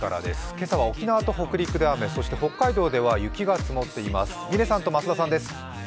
今朝は沖縄と北陸で雨、北海道では雪が積もっています。